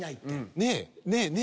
ねえねえねえ